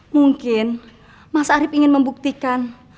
mungkin mas arief ingin membuktikan